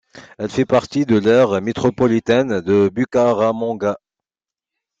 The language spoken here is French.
Elle fait partie de l'aire métropolitaine de Bucaramanga.